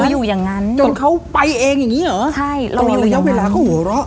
เราอยู่อย่างนั้นจนเขาไปเองอย่างงี้เหรอใช่เราอยู่อย่างนั้นแล้วเวลาเขาหัวเราะ